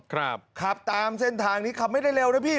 ขับตามเส้นทางนี้ขับไม่ได้เร็วนะพี่